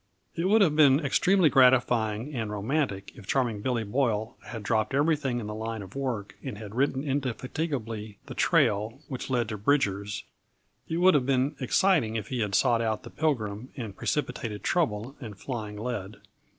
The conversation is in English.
It would have been extremely gratifying and romantic if Charming Billy Boyle had dropped everything in the line of work and had ridden indefatigably the trail which led to Bridger's; it would have been exciting if he had sought out the Pilgrim and precipitated trouble and flying lead.